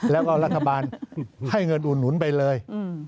แล้วก็รัฐบาลให้เงินอุดหนุนไปเลย